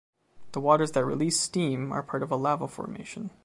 The waters that release steam are part of a lava formation